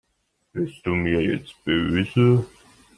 Bist du mir jetzt böse?